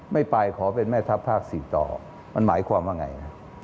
ไม่ไปขอเป็นแม่ทัพภาค๔ต่อมันหมายความว่าไง